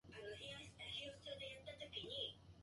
そのプロジェクト、本当にうまくいくと思ってるの？